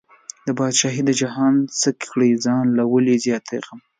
بادشاهي د جهان څه کړې، ځان له ولې زیاتی غم